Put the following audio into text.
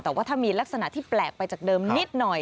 แต่ว่าถ้ามีลักษณะที่แปลกไปจากเดิมนิดหน่อย